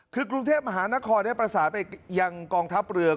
คือกรุงเทพมหานครได้ประสานไปยังกองทัพเรือ